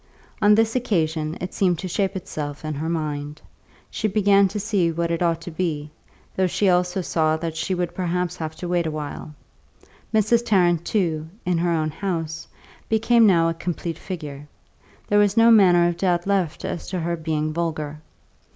On this occasion it seemed to shape itself in her mind; she began to see what it ought to be, though she also saw that she would perhaps have to wait awhile. Mrs. Tarrant, too, in her own house, became now a complete figure; there was no manner of doubt left as to her being vulgar.